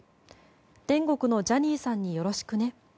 天国のジャニーさんによろしくね。